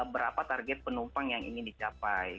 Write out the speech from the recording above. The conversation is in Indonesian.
berapa target penumpang yang ingin dicapai